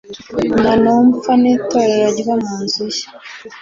na Numfa n’Itorero ryo mu nzu ye